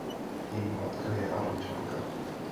Její matka je Američanka.